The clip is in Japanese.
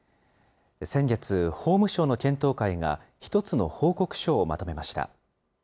先月、法務省の検討会が１つの報告書をまとめました。